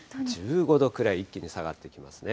１５度ぐらい一気に下がってきますね。